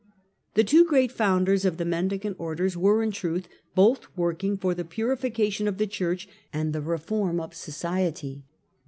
The two great founders of the Mendicant Orders were, in truth, both working for the purification of the Church and the reform of society.